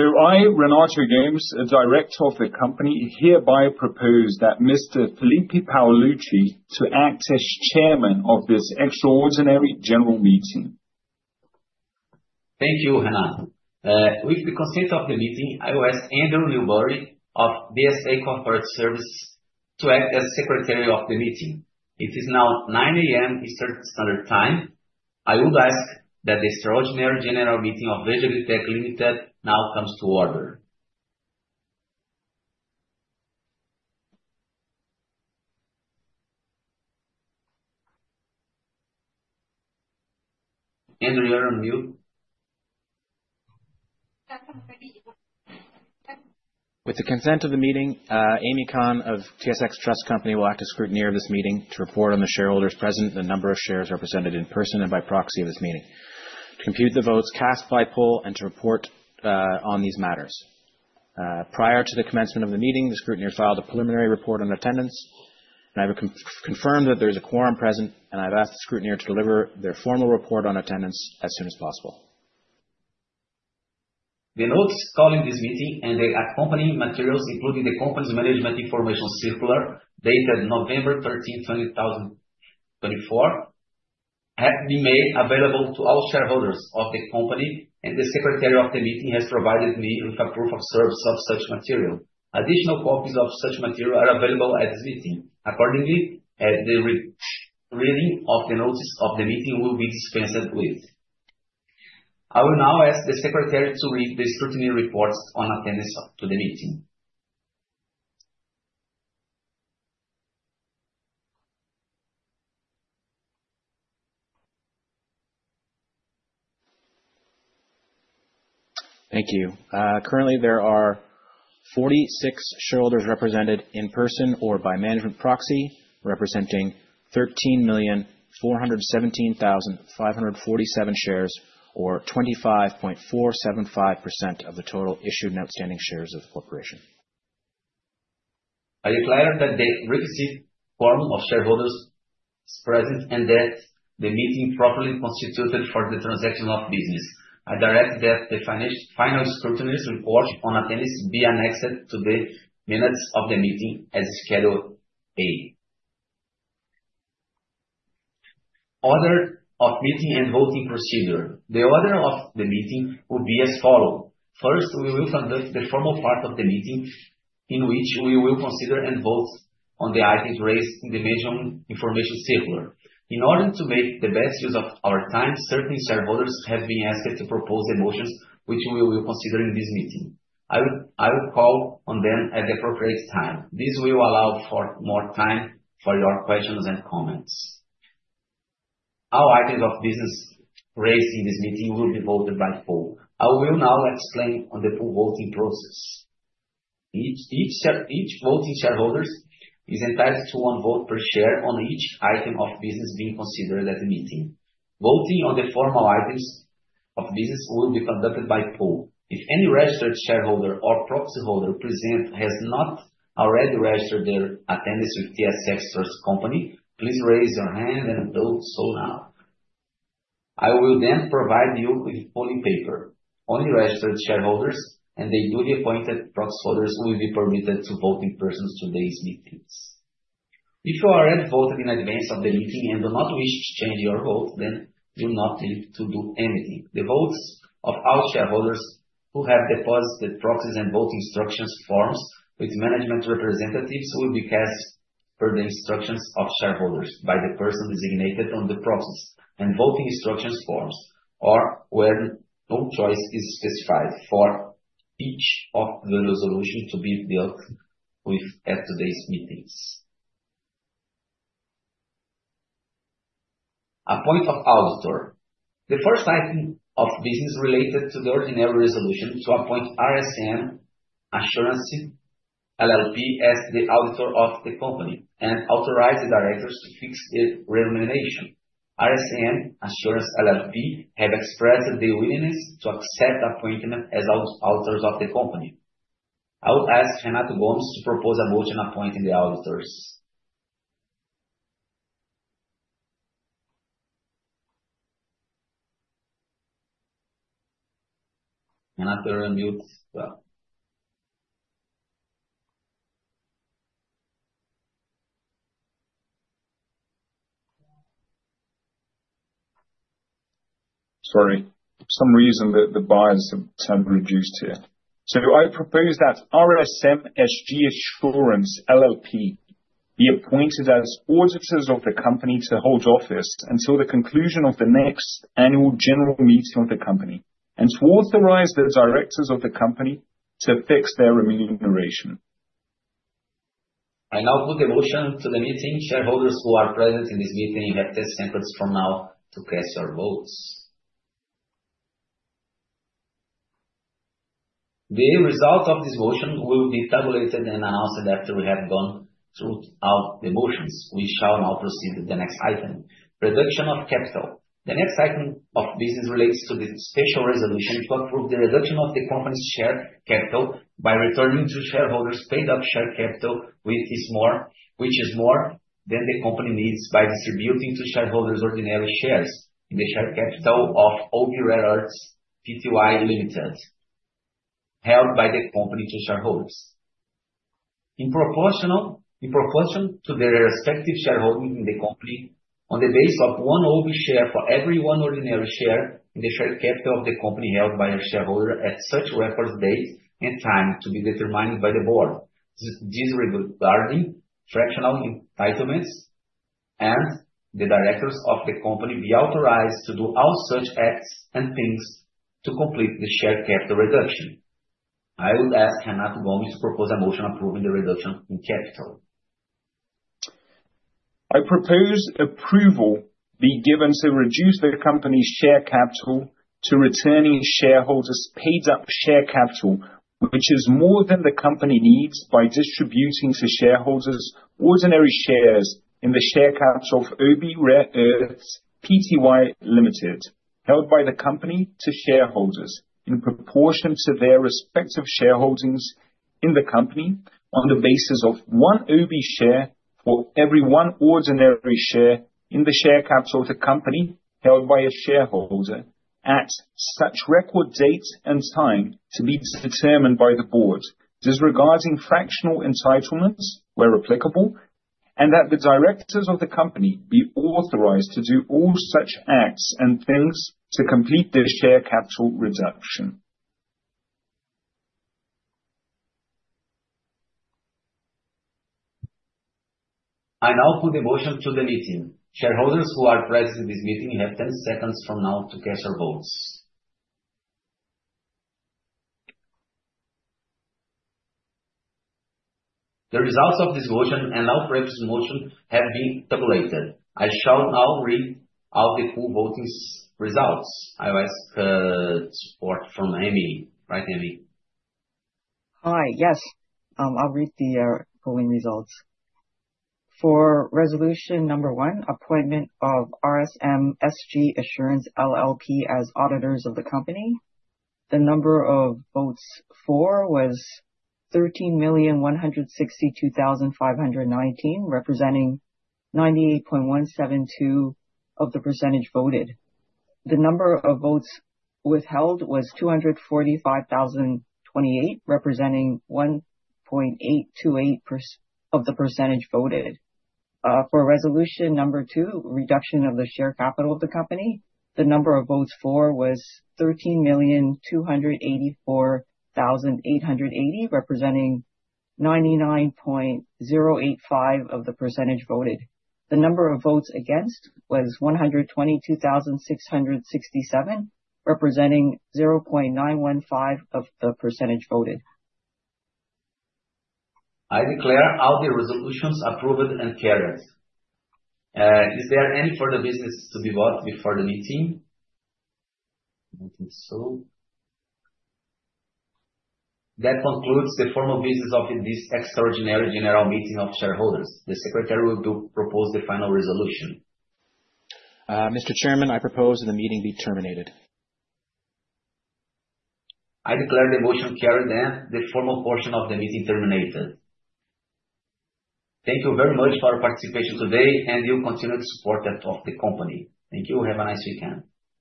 I, Renato Gomes, a director of the company, hereby propose that Mr. Felipe Paolucci to act as chairman of this extraordinary general meeting. Thank you, Renato. With the consent of the meeting, I will ask Andrew Newberry of DSA Corporate Services to act as secretary of the meeting. It is now 9:00 A.M. Eastern Standard Time. I would ask that the extraordinary general meeting of Verde AgriTech Ltd now comes to order. Andrew, you're on mute. With the consent of the meeting, Amy Kam of TSX Trust Company will act as scrutineer of this meeting to report on the shareholders present, the number of shares represented in person and by proxy of this meeting, to compute the votes cast by poll, and to report on these matters. Prior to the commencement of the meeting, the scrutineer filed a preliminary report on attendance, and I have confirmed that there is a quorum present, and I've asked the scrutineer to deliver their formal report on attendance as soon as possible. The notice calling this meeting and the accompanying materials, including the company's Management Information Circular dated November 13, 2024, have been made available to all shareholders of the company, and the secretary of the meeting has provided me with a proof of service of such material. Additional copies of such material are available at this meeting. Accordingly, the re-reading of the notice of the meeting will be dispensed with. I will now ask the secretary to read the scrutineers' reports on attendance at the meeting. Thank you. Currently there are 46 shareholders represented in person or by management proxy, representing 13,417,547 shares or 25.475% of the total issued and outstanding shares of the corporation. I declare that the requisite quorum of shareholders is present and that the meeting is properly constituted for the transaction of business. I direct that the final scrutineer's report on attendance be annexed to the minutes of the meeting as Schedule A. Order of meeting and voting procedure. The order of the meeting will be as follow. First, we will conduct the formal part of the meeting in which we will consider and vote on the items raised in the Management Information Circular. In order to make the best use of our time, certain shareholders have been asked to propose the motions which we will consider in this meeting. I will call on them at the appropriate time. This will allow for more time for your questions and comments. All items of business raised in this meeting will be voted by poll. I will now explain on the poll voting process. Each voting shareholders is entitled to one vote per share on each item of business being considered at the meeting. Voting on the formal items of business will be conducted by poll. If any registered shareholder or proxyholder present has not already registered their attendance with TSX Trust Company, please raise your hand and do so now. I will then provide you with polling paper. Only registered shareholders and their duly appointed proxyholders will be permitted to vote in person in today's meetings. If you already voted in advance of the meeting and do not wish to change your vote, then you do not need to do anything. The votes of all shareholders who have deposited proxies and voting instructions forms with management representatives will be cast per the instructions of shareholders by the person designated on the proxies and voting instructions forms or where no choice is specified for each of the resolution to be dealt with at today's meetings. Appointment of auditor. The first item of business related to the ordinary resolution to appoint RSM Assurance LLP as the auditor of the company and authorize the directors to fix their remuneration. RSM Assurance LLP have expressed their willingness to accept appointment as auditors of the company. I would ask Renato Gomes to propose a motion appointing the auditors. Renato, you're on mute still. Sorry. For some reason the bars have turned reduced here. I propose that RSM SG Assurance LLP be appointed as auditors of the company to hold office until the conclusion of the next annual general meeting of the company and to authorize the directors of the company to fix their remuneration. I now put the motion to the meeting. Shareholders who are present in this meeting have 10 seconds from now to cast your votes. The result of this motion will be tabulated and announced after we have gone through all the motions. We shall now proceed to the next item. Reduction of capital. The next item of business relates to the special resolution to approve the reduction of the company's share capital by returning to shareholders paid-up share capital which is more than the company needs by distributing to shareholders ordinary shares in the share capital of Oby Rare Earths Pty Ltd held by the company to shareholders in proportion to their respective shareholding in the company on the basis of one Oby share for every one ordinary share in the share capital of the company held by a shareholder at such record date and time to be determined by the board, disregarding fractional entitlements and the directors of the company be authorized to do all such acts and things to complete the share capital reduction. I would ask Renato Gomes to propose a motion approving the reduction in capital. I propose approval be given to reduce the company's share capital to returning shareholders paid-up share capital, which is more than the company needs by distributing to shareholders ordinary shares in the share capital of Oby Rare Earths Pty Ltd held by the company to shareholders in proportion to their respective shareholdings in the company on the basis of one Oby share for every one ordinary share in the share capital of the company held by a shareholder at such record date and time to be determined by the board, disregarding fractional entitlements where applicable, and that the directors of the company be authorized to do all such acts and things to complete the share capital reduction. I now put the motion to the meeting. Shareholders who are present in this meeting, you have 10 seconds from now to cast your votes. The results of this motion and our previous motion have been tabulated. I shall now read out the full voting results. I will ask support from Amy. Right, Amy? Hi. Yes. I'll read the polling results. For resolution number one, appointment of RSM SG Assurance LLP as auditors of the company, the number of votes for was 13,162,519, representing 98.172% of the percentage voted. The number of votes withheld was 245,028, representing 1.828% of the percentage voted. For resolution number two, reduction of the share capital of the company, the number of votes for was 13,284,880, representing 99.085% of the percentage voted. The number of votes against was 122,667, representing 0.915% of the percentage voted. I declare all the resolutions approved and carried. Is there any further business to be voted before the meeting? I don't think so. That concludes the formal business of this extraordinary general meeting of shareholders. The secretary will propose the final resolution. Mr. Chairman, I propose the meeting be terminated. I declare the motion carried, then. The formal portion of the meeting terminated. Thank you very much for your participation today and your continued support of the company. Thank you. Have a nice weekend.